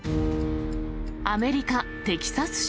アメリカ・テキサス州。